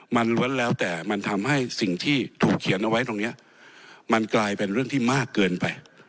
มันล้วนแล้วแต่มันทำให้สิ่งที่ถูกเขียนเอาไว้ตรงนี้มันกลายเป็นเรื่องที่มากเกินไป